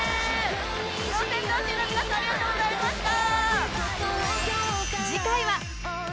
四千頭身の皆さんありがとうございました。